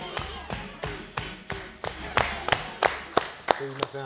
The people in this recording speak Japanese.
すみません。